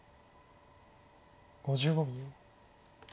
５５秒。